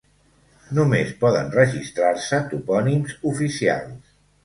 Només poden registrar-se topònims oficials.